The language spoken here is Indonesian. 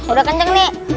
udah kenceng nih